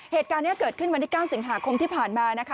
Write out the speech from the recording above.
เหตุการณ์นี้เกิดขึ้นวันที่๙สิงหาคมที่ผ่านมานะคะ